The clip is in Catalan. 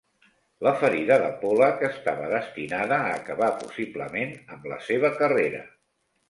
La ferida de Pollack estava destinada a acabar possiblement amb la seva carrera.